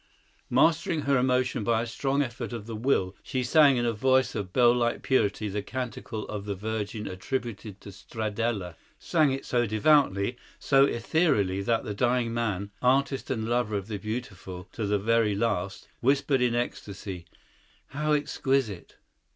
Mastering her emotion by a strong effort of the will, she sang in a voice of bell like purity the canticle to the Virgin attributed to Stradella,—sang it so devoutly, so ethereally, that the dying man, "artist and lover of the beautiful to the very last," whispered in ecstasy, "How exquisite!